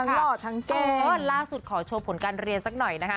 ทั้งหลอดทั้งเก่งขอโทษล่าสุดขอโชว์ผลการเรียนสักหน่อยนะคะ